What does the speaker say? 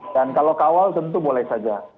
dan kalau kawal tentu boleh saja